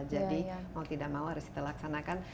jadi mau tidak mau harus kita laksanakan